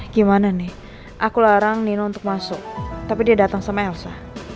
gimana nih aku larang nino untuk masuk tapi dia datang sama elsa